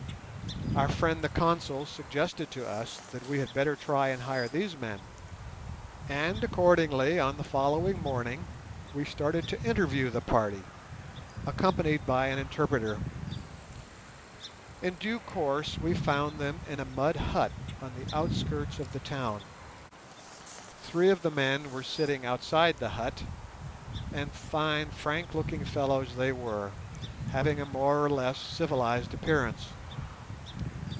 Our friend the Consul suggested to us that we had better try and hire these men, and accordingly on the following morning we started to interview the party, accompanied by an interpreter. In due course we found them in a mud hut on the outskirts of the town. Three of the men were sitting outside the hut, and fine frank looking fellows they were, having a more or less civilized appearance.